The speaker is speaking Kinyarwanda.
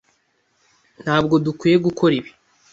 Ntabwo dukwiye gukora ibi.